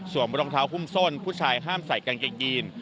รองเท้าหุ้มส้นผู้ชายห้ามใส่กางเกงยีน